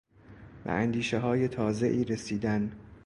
به اندیشههای تازهای رسیدن